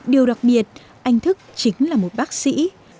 điều đặc biệt anh thức chính là một bác sĩ